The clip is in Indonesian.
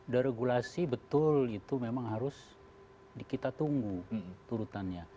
deregulasi betul itu memang harus kita tunggu turutannya